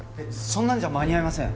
そんなんじゃ間に合いません。